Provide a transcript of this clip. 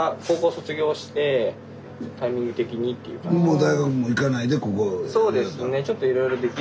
もう大学も行かないでここやったの？